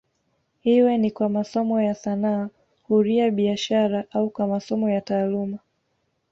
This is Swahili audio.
Iwe ni kwa masomo ya sanaa huria biashara au kwa masomo ya taaluma